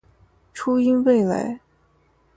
初音未来